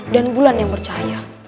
dan bulan yang bercahaya